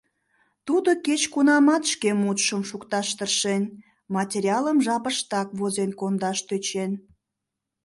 ...Тудо кеч-кунамат шке мутшым шукташ тыршен, материалым жапыштак возен кондаш тӧчен.